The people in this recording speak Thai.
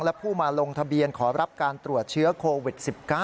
และผู้มาลงทะเบียนขอรับการตรวจเชื้อโควิด๑๙